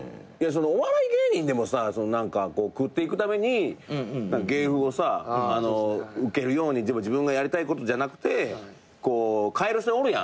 お笑い芸人でもさ何か食っていくために芸風をさウケるように自分がやりたいことじゃなくてこう変える人おるやん。